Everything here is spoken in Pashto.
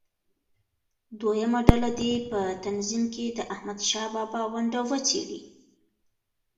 دویمه ډله دې په تنظیم کې د احمدشاه بابا ونډه وڅېړي.